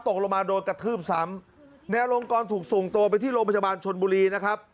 ตกลงมาโดนกระทืบซ้ำนายอลงกรถูกส่งตัวไปที่โรงพยาบาลชนบุรีนะครับ